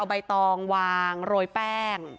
ใบตองวางโรยแป้ง